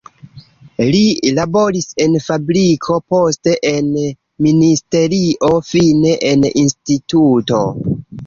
Li laboris en fabriko, poste en ministerio, fine en instituto.